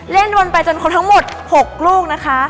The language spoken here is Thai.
เล่นวนไปจนครบทั้งหมด๖ลูกนะคะ